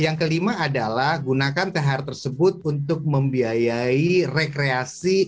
yang kelima adalah gunakan thr tersebut untuk membiayai rekreasi